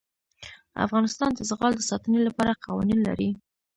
افغانستان د زغال د ساتنې لپاره قوانین لري.